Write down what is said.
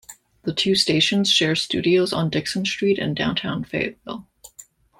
The two stations share studios on Dickson Street in Downtown Fayetteville.